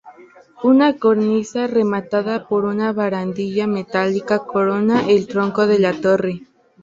Una cornisa rematada por una barandilla metálica corona el tronco de la torre.